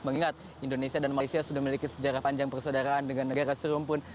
mengingat indonesia dan malaysia sudah memiliki sejarah panjang persaudaraan dengan negara serumpun